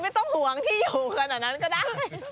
ไม่ต้องห่วงที่อยู่ขนาดนั้นก็ได้